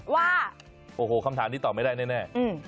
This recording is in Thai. ว่าโอ้โหคำถามนี้ตอบไม่ได้แน่